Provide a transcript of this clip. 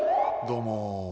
どうも。